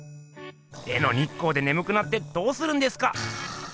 絵の日光でねむくなってどうするんですか！